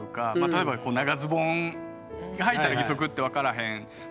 例えば長ズボンはいたら義足って分からへんとかもあるし。